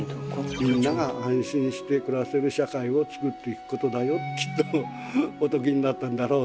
みんなが安心して暮らせる社会を作っていくことだよってきっとお説きになったんだろうと思うんですけれども。